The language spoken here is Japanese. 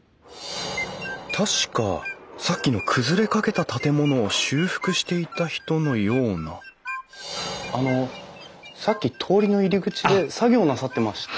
確かさっきの崩れかけた建物を修復していた人のようなあのさっき通りの入り口で作業なさってました？